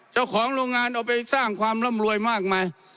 เจ้าของโรงงานเอาไปสร้างความร่ำรวยมากมาย